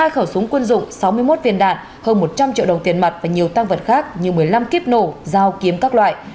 hai khẩu súng quân dụng sáu mươi một viên đạn hơn một trăm linh triệu đồng tiền mặt và nhiều tăng vật khác như một mươi năm kiếp nổ dao kiếm các loại